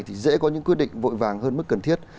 thì dễ có những quyết định vội vàng hơn mức cần thiết